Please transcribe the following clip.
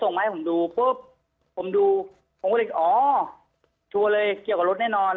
มาให้ผมดูปุ๊บผมดูผมก็เลยอ๋อโชว์เลยเกี่ยวกับรถแน่นอน